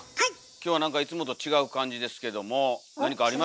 今日は何かいつもと違う感じですけども何かありましたか？